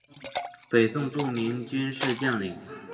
北宋著名军事将领。